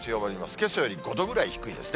けさより５度ぐらい低いですね。